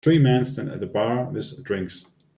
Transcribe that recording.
Three men stand at a bar with drinks.